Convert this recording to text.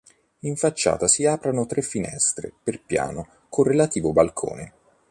In facciata si aprono tre finestre per piano con relativo balcone.